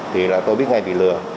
thì là tôi biết ngay bị lừa